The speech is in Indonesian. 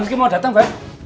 mamski mau datang beb